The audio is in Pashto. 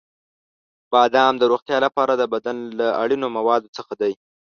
• بادام د روغتیا لپاره د بدن له ضروري موادو څخه دی.